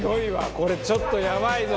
これちょっとやばいぞ！